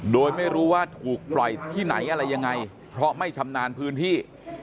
โดยไม่รู้ว่าถูกปล่อยที่ไหนอะไรยังไงเพราะไม่ชำนาญพื้นที่